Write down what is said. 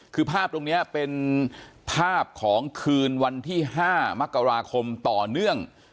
คือภาพตรงนี้เป็นภาพของคืนวันที่๕มกราคมต่อเนื่อง